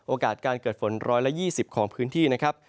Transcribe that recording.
โอกาสการเกิดฝน๑๒๐ของพื้นที่นะครับ